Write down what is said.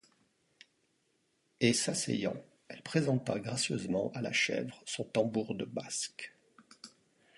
Et s'asseyant, elle présenta gracieusement à la chèvre son tambour de basque.